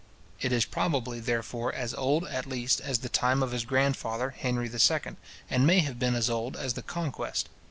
It is probably, therefore, as old at least as the time of his grandfather, Henry II. and may have been as old as the Conquest.